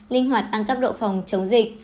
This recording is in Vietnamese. linh hoạt tăng cấp độ phòng chống dịch